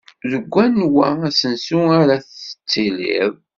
Deg anwa asensu ara tittiliḍ?